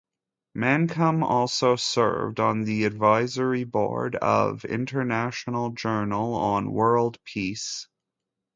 Mancham also served on the advisory board of "International Journal on World Peace".